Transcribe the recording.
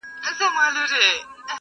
چي نوبت د عزت راغی په ژړا سو-